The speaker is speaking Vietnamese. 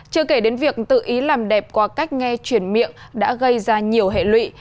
chưa kể đến việc tự ý làm đẹp qua cách nghe chuyển miệng đã gây ra nhiều hệ lụy